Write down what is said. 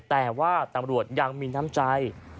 แต่ว่าตำรวจยังมีน้ำใจ